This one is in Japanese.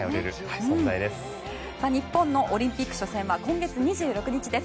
日本のオリンピック初戦は今月２６日です。